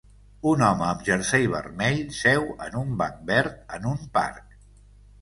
Un home amb jersei vermell seu en un banc verd en un parc.